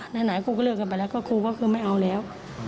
ไหนครูก็เลิกกันไปแล้วก็ครูก็คือไม่เอาแล้ว